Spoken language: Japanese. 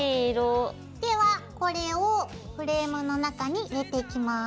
ではこれをフレームの中に入れていきます。